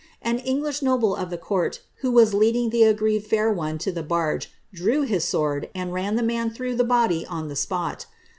An English noble of the court, who was leading the aggrieved fair one to the barge, drew his sword, and ran the man through the body on the spot.'